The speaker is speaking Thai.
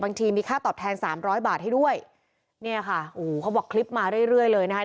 บางทีมีค่าตอบแทนสามร้อยบาทให้ด้วยเนี่ยค่ะโอ้โหเขาบอกคลิปมาเรื่อยเรื่อยเลยนะคะ